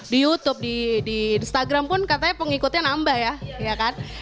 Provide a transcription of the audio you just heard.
di youtube di instagram pun katanya pengikutnya nambah ya kan